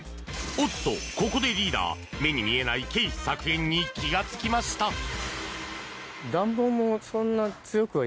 ここでリーダー、目に見えない経費削減に気が付きました。